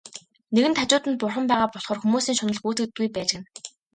Нэгэнт хажууд нь Бурхан байгаа болохоор хүмүүсийн шунал гүйцэгддэггүй байж гэнэ.